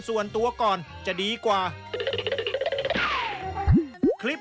สุดท้ายของพ่อต้องรักมากกว่านี้ครับ